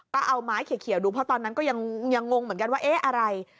ก็เอาไม้เขียวดูเพราะตอนนั้นก็ยังงงเหมือนกันว่าเอ๊ะอะไร